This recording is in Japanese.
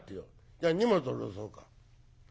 じゃあ荷物下ろそうか。